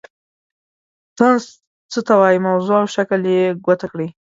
طنز څه ته وايي موضوع او شکل یې په ګوته کړئ.